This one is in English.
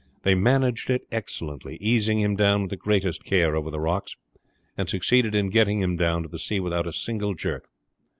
They managed it excellently, easing him down with the greatest care over the rocks, and succeeded in getting him down to the sea without a single jerk.